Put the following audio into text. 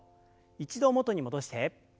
一度元に戻して。